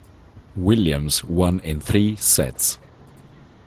Williams won in three sets.